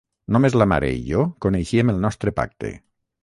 Només la mare i jo coneixíem el nostre pacte.